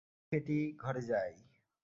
চলো কেটি, ঘরে যাই।